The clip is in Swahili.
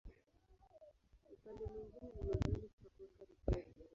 Upande mwingine ni mahali pa kuweka risasi.